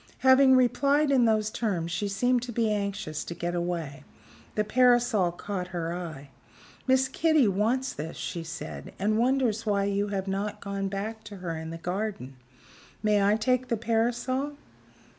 Having replied in those terms, she seemed to be anxious to get away. The parasol caught her eye. "Miss Kitty wants this," she said, "and wonders why you have not gone back to her in the garden. May I take the parasol?"